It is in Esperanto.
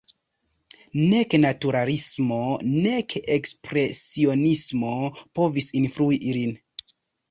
Nek naturalismo nek ekspresionismo povis influi lin.